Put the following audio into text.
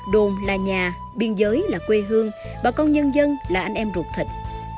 đồn là nhà biên giới là quê hương bà con nhân dân là anh em ruột thịt